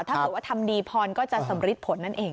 ถ้าเกิดว่าทำดีพรก็จะสำริดผลนั่นเอง